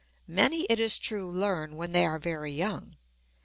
Many, it is true, learn when they are very young.